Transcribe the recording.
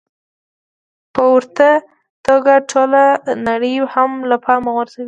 په ورته توګه ټوله نړۍ هم له پامه غورځوي.